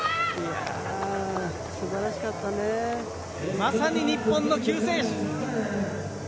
まさに日本の救世主。